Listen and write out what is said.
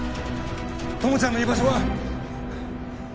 友ちゃんの居場所は？